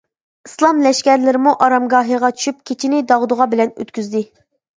ئىسلام لەشكەرلىرىمۇ ئارامگاھىغا چۈشۈپ، كېچىنى داغدۇغا بىلەن ئۆتكۈزدى.